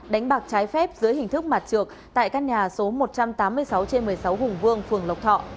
đánh bạc trái phép dưới hình thức mặt trược tại các nhà số một trăm tám mươi sáu trên một mươi sáu hùng vương phường lộc thọ